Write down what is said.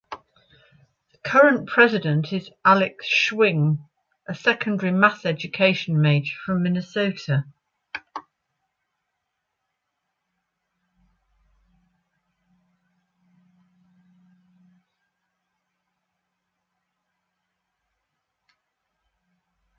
The current president is Alex Schwing, a secondary math education major from Minnesota.